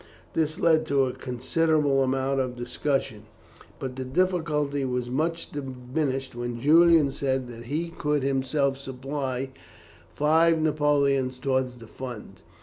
This led to a considerable amount of discussion, but the difficulty was much diminished when Julian said that he could himself supply five napoleons towards the fund.